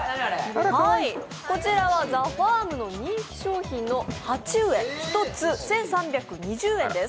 こちらはＴＨＥＦＡＲＭの人気商品のハチウエ、１つ１３２０円です。